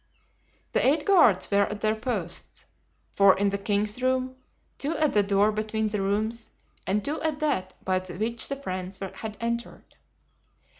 The eight guards were at their posts. Four in the king's room, two at the door between the rooms and two at that by which the friends had entered.